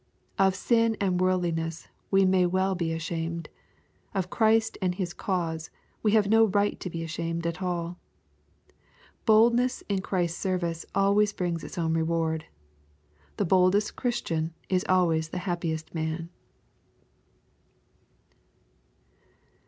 Of sin and worldliness w^e may well be ashamed* Of Christ and His cause we have no right to be ashamed at all. Boldness in Christ's service always brings its own reward. The boldest Christian is always the happiest man.